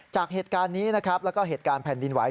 จากเหตุการณ์นี้นะครับแล้วก็เหตุการณ์แผ่นดินไหว